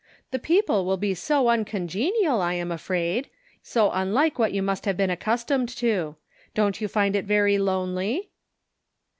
The people will be so uncongenial I am afraid ; so unlike what you must have been accustomed to. Don't you find it very lonely